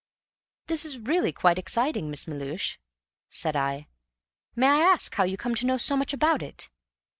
"This is really quite exciting, Miss Melhuish," said I. "May I ask how you come to know so much about it?"